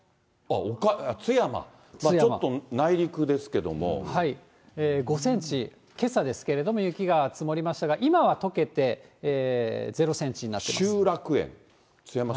津山、５センチ、けさですけれども、雪が積もりましたが、今はとけて０センチになってます。